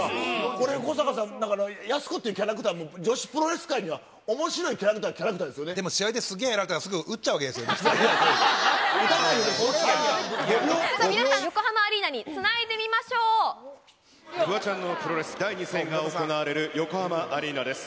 これ、古坂さん、やす子っていうキャラクターも、女子プロレス界には、おもしろいキャラクターはキャラクターですよね、でも試合ですぐやられたら、皆さん、横浜アリーナにつなフワちゃんのプロレス第２戦が行われる、横浜アリーナです。